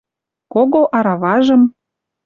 Кого араважым